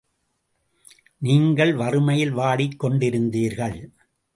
நீங்கள் வறுமையில் வாடிக் கொண்டிருந்தீர்கள்.